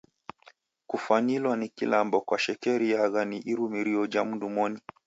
Kufwanilwa ni kilambo kwashekerelwagha ni irumirio ja mndu moni.